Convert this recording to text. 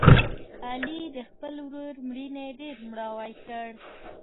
علي د خپل ورور مړینې ډېر مړاوی کړ.